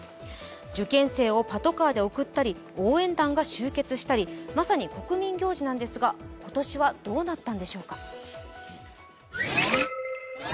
受験生をパトカーで送ったり、応援団が集結したり、まさに国民行事なんですが、今年はどうなったんでしょうか。